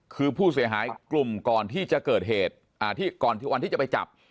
คือผู้เสียหายกลุ่มก่อนที่จะเกิดเหตุที่ก่อนวันที่จะไปจับ